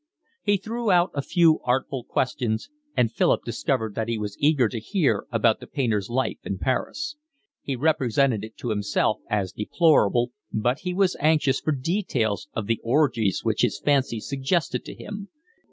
He threw out a few artful questions, and Philip discovered that he was eager to hear about the painter's life in Paris. He represented it to himself as deplorable, but he was anxious for details of the orgies which his fancy suggested to him.